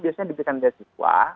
biasanya diberikan dari siswa